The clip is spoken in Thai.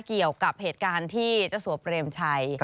เกี่ยวกับเหตุการณ์ที่เจ้าสัวเปรมชัย